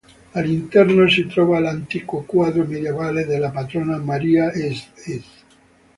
All'interno si trova l'antico quadro medievale della Patrona Maria Ss.